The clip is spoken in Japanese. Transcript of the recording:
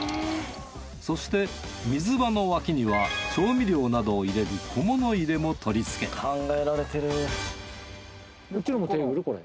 そして水場の脇には調味料などを入れる小物入れも取り付けたこっちのもテーブル？